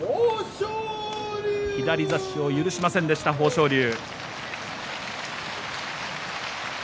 左差しを許しませんでした豊昇龍。